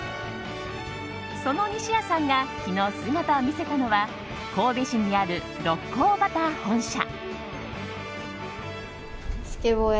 その西矢さんが昨日、姿を見せたのは神戸市にある六甲バター本社。